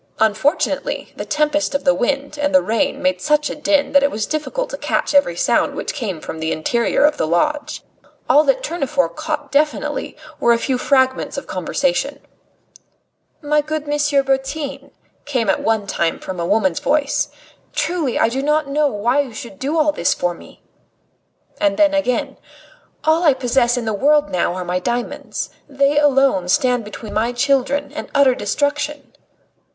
Unfortunately, the tempest of the wind and the rain made such a din that it was difficult to catch every sound which came from the interior of the lodge. All that Tournefort caught definitely were a few fragments of conversation. "My good M. Bertin ..." came at one time from a woman's voice. "Truly I do not know why you should do all this for me." And then again: "All I possess in the world now are my diamonds. They alone stand between my children and utter destitution."